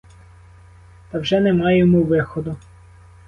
Та вже нема йому виходу?